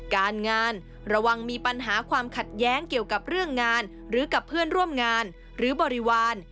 การงานระวังมีปัญหาความขัดแย้งเกี่ยวกับเรื่องงานหรือกับเพื่อนร่วมงานหรือบริวาร